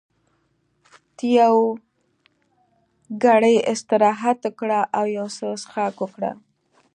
ته یو ګړی استراحت وکړه او یو څه څښاک وکړه.